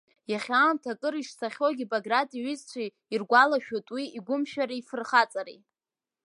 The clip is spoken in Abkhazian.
Иахьа аамҭа акыр ишцахьоугьы Баграт иҩызцәа иргәалашәоит уи игәымшәареи ифырхаҵареи.